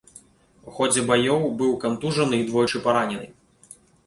У ходзе баёў быў кантужаны і двойчы паранены.